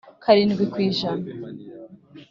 karindwi ku ijana